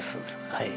はい。